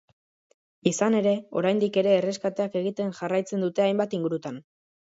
Izan ere, oraindik ere erreskateak egiten jarraitzen dute hainbat ingurutan.